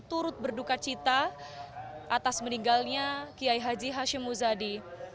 turut berduka cita atas meninggalnya kiai haji hashim muzadi